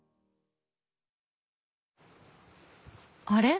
あれ？